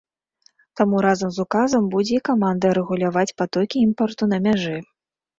Таму разам з указам будзе і каманда рэгуляваць патокі імпарту на мяжы.